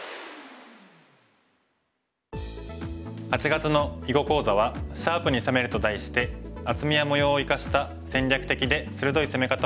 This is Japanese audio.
８月の囲碁講座は「シャープに攻める」と題して厚みや模様を生かした戦略的で鋭い攻め方を学びます。